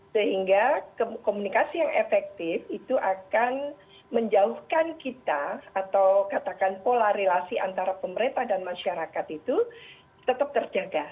sehingga komunikasi yang efektif itu akan menjauhkan kita atau katakan pola relasi antara pemerintah dan masyarakat itu tetap terjaga